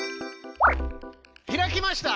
開きました！